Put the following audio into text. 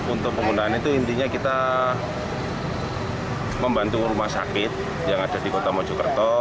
untuk penggunaan itu intinya kita membantu rumah sakit yang ada di kota mojokerto